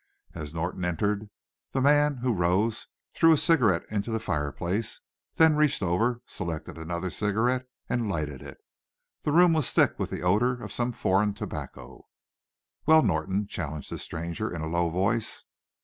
As Norton entered, the man, who rose, threw a cigarette into the fire place, then reached over, selected another cigarette and lighted it. The room was thick with the odor of some foreign tobacco. "Well, Norton?" challenged this stranger, in a low voice.